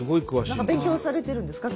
何か勉強されてるんですか？